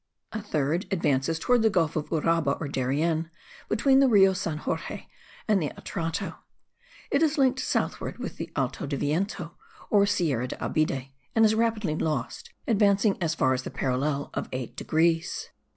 A third advances towards the gulf of Uraba or Darien, between the Rio San Jorge and the Atrato. It is linked southward with the Alto del Viento, or Sierra de Abide, and is rapidly lost, advancing as far as the parallel of 8 degrees.